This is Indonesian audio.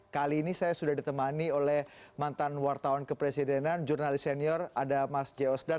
kali ini saya sudah ditemani oleh mantan wartawan kepresidenan jurnalis senior ada mas j osdar